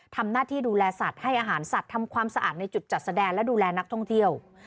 ทำหน้าที่ดูแลสัตว์ให้อาหารสัตว์ทำความสะอาดในจุดจัดแสดงและดูแลนักท่องเที่ยว